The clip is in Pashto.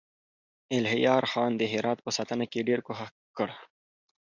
الهيار خان د هرات په ساتنه کې ډېر کوښښ وکړ.